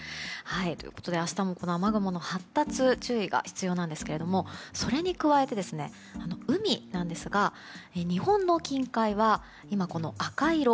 ということで明日の雨雲の発達に注意が必要なんですがそれに加えて、海なんですが日本の近海は今、赤色。